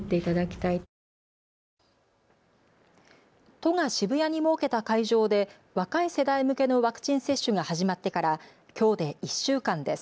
人が渋谷に設けた会場で若い世代向けのワクチン接種が始まってからきょうで１週間です。